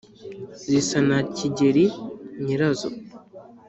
zisa na kigeli nyirazo;